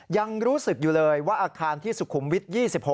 ยังรู้สึกอยู่เลยว่าอาคารที่สุขุมวิทย์๒๖